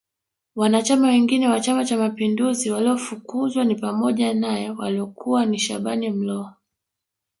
Wanachama wengine wa chama cha mapinduzi waliofukuzwa ni pamoja nae walikuwa ni Shaban Mloo